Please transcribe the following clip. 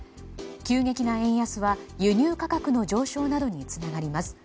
急激な円安は、輸入価格の上昇などにつながります。